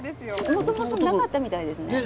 もともとなかったみたいですね。